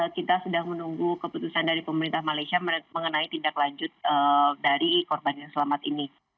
kita sudah menunggu keputusan dari pemerintah malaysia mengenai tindak lanjut dari korban yang selamat ini